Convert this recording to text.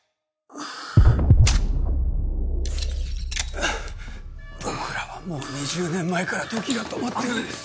ハァ僕らはもう２０年前から時が止まってるんです。